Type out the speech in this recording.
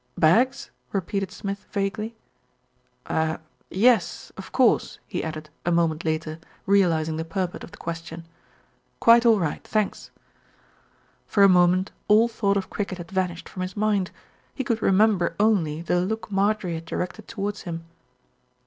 "Bags," repeated Smith vaguely, "er yes, of course," he added a moment later, realising the purport of the question. "Quite all right, thanks." For a moment all thought of cricket had vanished from his mind. He could remember only the look Marjorie had directed towards him.